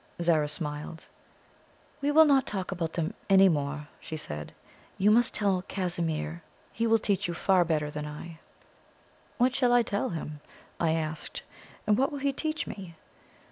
Zara smiled. "We will not talk about them any more," she said; "you must tell Casimir he will teach you far better than I can." "What shall I tell him?" I asked; "and what will he teach me?"